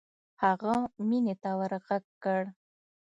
هغه مينې ته ورږغ کړه.